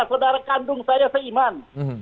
saudara kandung saya seiman